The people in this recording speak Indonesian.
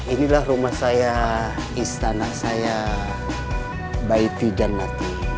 inilah rumah saya istana saya baiti dan nati